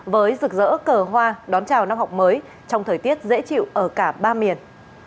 với rực rỡ cờ hoa đón chào năm học mới trong thời tiết dễ chịu ở cả ba miền